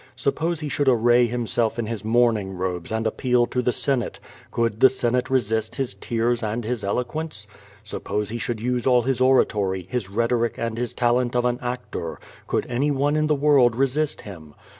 Suppose he should array himself in his mourning robes and appeal to the Senate, could the Senate resist his tears and his eloquence? Suppose he should use all his oratory, his rhetoric and his talent of an actor, could any one in the world resist him?